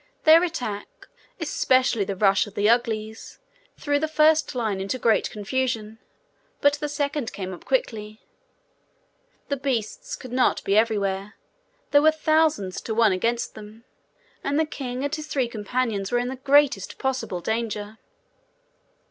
Their attack, especially the rush of the Uglies, threw the first line into great confusion, but the second came up quickly; the beasts could not be everywhere, there were thousands to one against them, and the king and his three companions were in the greatest possible danger.